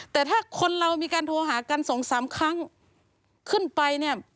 แต่ถ้าคนเรามีการโทรหากันสองสามครั้งขึ้นไปเนี่ย